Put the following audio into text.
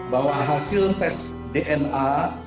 bahwa hasil tes dna